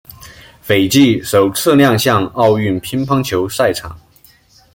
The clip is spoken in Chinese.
斐济首次亮相奥运乒乓球赛场。